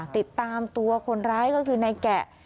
ติดตามตัวคนร้ายก็คือนายแกะ